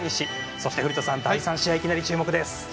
そして古田さん、第３試合いきなり注目です。